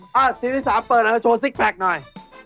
ฮะทีสิบที่สามเปิดแล้วเจ้าโชว์ซิกแปลกหน่อย